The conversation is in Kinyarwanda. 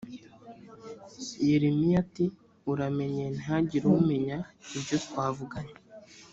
yeremiya ati uramenye ntihagire umenya ibyo twavuganye